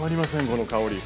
この香り。